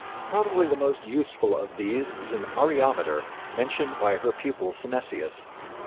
Probably the most useful of these is an areometer mentioned by her pupil Synesius.